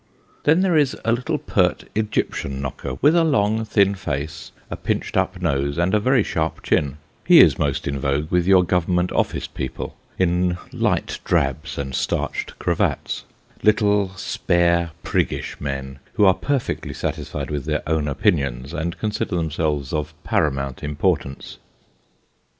Then there is a little pert Egyptian knocker, with a long thin face, a pinched up nose, and a very sharp chin ; he is most in vogue with your government office people, in light drabs and starched cravats ; little spare priggish men, who are perfectly satisfied with their own opinions, and consider themselves of paramount importance.